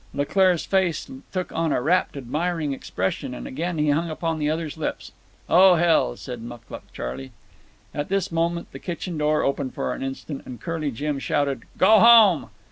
Leclaire's face took on a rapt, admiring expression, and again he hung upon the other's lips. "... O hell!" said Mucluc Charley. At this moment the kitchen door opened for an instant, and Curly Jim shouted, "Go home!"